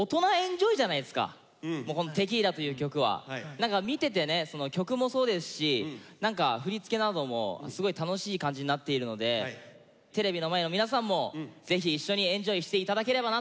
何か見ててね曲もそうですし何か振り付けなどもすごい楽しい感じになっているのでテレビの前の皆さんもぜひ一緒にエンジョイして頂ければなと思います。